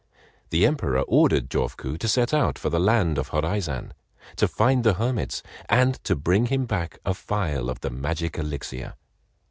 The Emperor ordered Jofuku to set out for the land of Horaizan, to find the hermits, and to bring him back a phial of the magic elixir.